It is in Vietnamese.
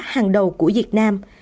hàng đầu của việt nam